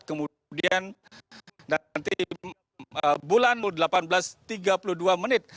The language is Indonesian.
kemudian nanti bulan delapan belas tiga puluh dua menit